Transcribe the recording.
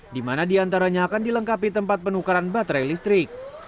di mana diantaranya akan dilengkapi tempat penukaran baterai listrik